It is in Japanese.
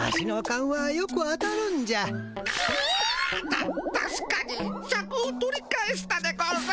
たたしかにシャクを取り返したでゴンス。